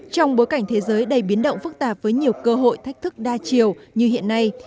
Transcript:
trong bối cảnh thế giới đầy biến động phức tạp với nhiều cơ hội thách thức đa chiều như hiện nay